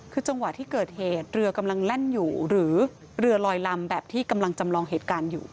คือจังหวะที่เกิดเหตุเรือกำลังแล่นอยู่หรือเรือลอยลำแบบที่กำลังจำลองเหตุการณ์อยู่